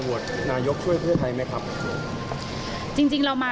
โหวตนายกช่วยเพื่อไทยไหมครับ